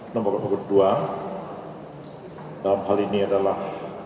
nomor dua dalam hal ini adalah